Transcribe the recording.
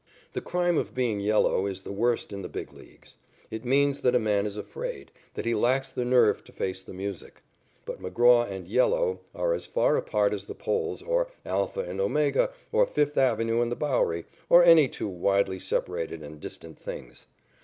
The crime of being "yellow" is the worst in the Big Leagues. It means that a man is afraid, that he lacks the nerve to face the music. But McGraw and "yellow" are as far apart as the poles, or Alpha and Omega, or Fifth Avenue and the Bowery, or any two widely separated and distant things.